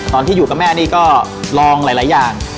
ตอนที่อยู่กับแม่นี่ก็ลองหลายอย่าง